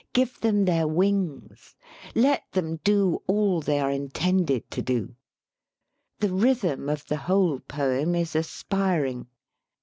Give them their wings. Let them do all they are intended to do. The rhythm of the whole poem is aspiring.